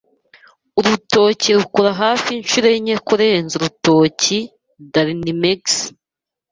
Urutoki rukura hafi inshuro enye kurenza urutoki. (darinmex)